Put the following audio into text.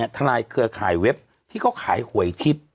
ทนายเครือข่ายเว็บที่เขาขายหวยทิพย์